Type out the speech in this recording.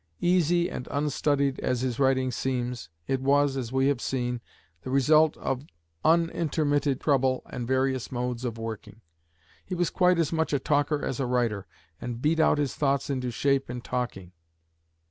Easy and unstudied as his writing seems, it was, as we have seen, the result of unintermitted trouble and varied modes of working. He was quite as much a talker as a writer, and beat out his thoughts into shape in talking.